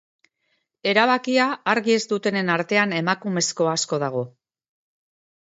Erabakia argi ez dutenen artean emakumezko asko dago.